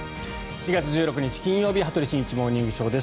７月１６日、金曜日「羽鳥慎一モーニングショー」。